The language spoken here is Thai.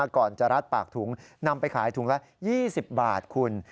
ก่อนจะรัดปากถุงนำไปขายถุงละ๒๐บาทคุณ